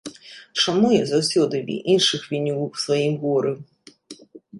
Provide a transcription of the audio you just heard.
Чаму я заўсёды іншых віню ў сваім горы?